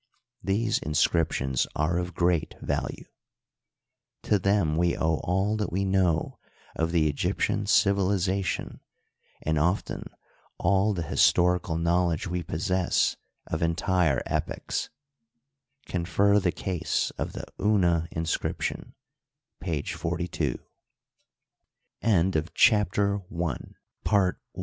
These inscriptions are of great value. To them we owe all that we know of the Eg)'ptian civilization, and often all the historical knowledge we possess of entire epochs (confer the case of the Una inscription, pag